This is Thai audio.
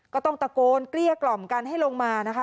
ก็ต้องตะโกนเกลี้ยกล่อมกันให้ลงมานะคะ